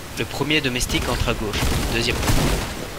Le premier domestique entre à gauche, deuxième plan.